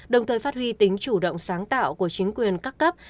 đồng thời phát huy tính chủ động sáng tạo của chính quyền các cấp